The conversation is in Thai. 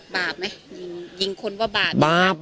บาปไหมยิงคนว่าบาดบาป